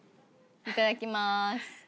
いただきます。